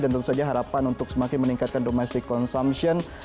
dan tentu saja harapan untuk semakin meningkatkan domestic consumption